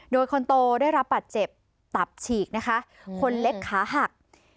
โดยคนโตได้รับบัตรเจ็บตับฉีกนะคะคนเล็กขาหัก